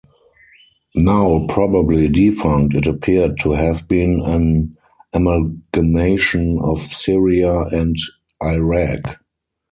Now probably defunct, it appeared to have been an amalgamation of Syria and Iraq.